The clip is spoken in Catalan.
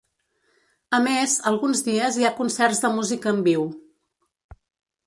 A més, alguns dies hi ha concerts de música en viu.